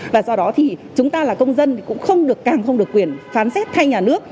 và do đó thì chúng ta là công dân cũng không được càng không được quyền phán xét thay nhà nước